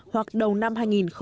hoặc đầu năm hai nghìn một mươi tám